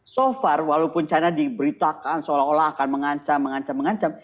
so far walaupun china diberitakan seolah olah akan mengancam mengancam mengancam